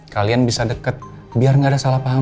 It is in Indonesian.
kalian bisa deket biar enggak ada salah paham lagi